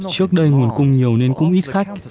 trước đây nguồn cung nhiều nên cũng ít khách